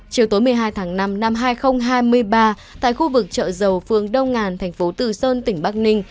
chiều tối một mươi hai tháng năm năm hai nghìn hai mươi ba tại khu vực chợ dầu phương đông ngàn thành phố từ sơn tỉnh bắc ninh